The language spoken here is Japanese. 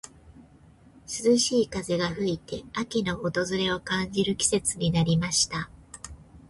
涼しい風が吹いて、秋の訪れを感じる季節になりました。